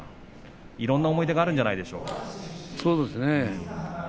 いろんな思い出があるんじゃないでしょうか。